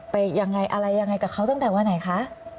ยังไงอะไรยังไงกับเขาตั้งแต่วันไหนคะ